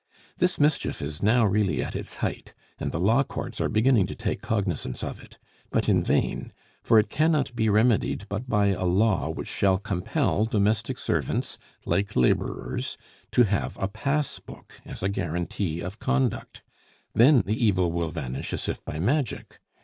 This mischief is now really at its height, and the law courts are beginning to take cognizance of it; but in vain, for it cannot be remedied but by a law which shall compel domestic servants, like laborers, to have a pass book as a guarantee of conduct. Then the evil will vanish as if by magic.